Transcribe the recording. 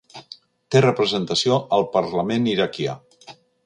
Té representació al Parlament Iraquià.